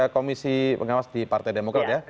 komisi pengawas di partai demokrat ya